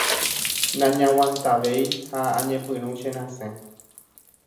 nañaguantavéi ha añepyrũ cherasẽ.